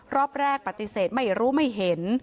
รอบแรกปฏิเสธไม่รู้ไม่เห็น